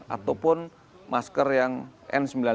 ataupun masker yang n sembilan puluh lima